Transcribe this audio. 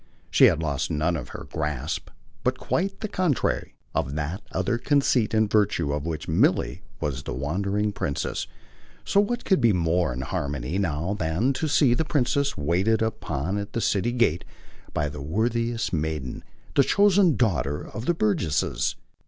She had lost none of her grasp, but quite the contrary, of that other conceit in virtue of which Milly was the wandering princess: so what could be more in harmony now than to see the princess waited upon at the city gate by the worthiest maiden, the chosen daughter of the burgesses?